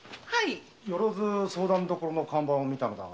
「よろづ相談処」の看板を見たのだが。